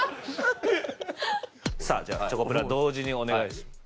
さあじゃあチョコプラ同時にお願いします。